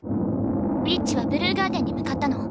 ウィッチはブルーガーデンに向かったの。